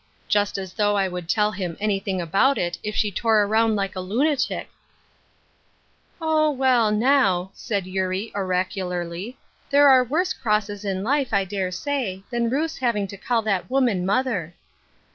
Just as though I would tell him any thing about it, if she tore around like a lunatic !"'* Oh, well, now," said Eurie, oracularly, '* there are worse crosses in life, I dare say, than Ruth's having to call that woman mother."